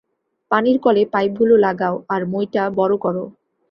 পানির কলে পাইপগুলো লাগাও আর মইটা বড় করো।